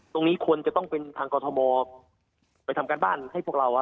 ควรจะต้องเป็นทางกรทมไปทำการบ้านให้พวกเรา